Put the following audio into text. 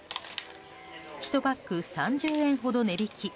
１パック３０円ほど値引き。